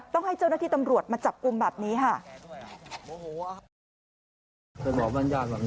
ต้องให้เจ้าหน้าที่ตำรวจมาจับกลุ่มแบบนี้ค่ะ